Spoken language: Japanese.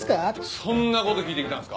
そんな事聞いてきたんですか？